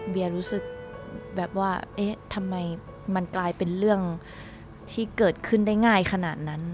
รู้สึกแบบว่าเอ๊ะทำไมมันกลายเป็นเรื่องที่เกิดขึ้นได้ง่ายขนาดนั้น